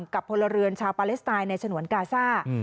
พลเรือนชาวปาเลสไตน์ในฉนวนกาซ่า